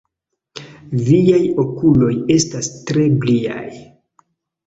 Viaj okuloj estas tre brilaj!